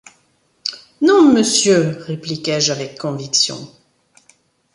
Non, monsieur, répliquai-je avec conviction.